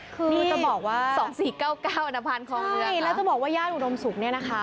คือจะบอกว่าสองสี่เก้าเก้าอันตรภัณฑ์ของเรือใช่แล้วจะบอกว่าย่านอุดมศุกร์เนี่ยนะคะ